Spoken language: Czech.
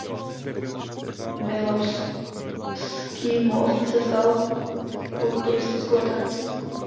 Milotský most se stal turistickou atrakcí.